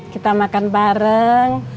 kita makan bareng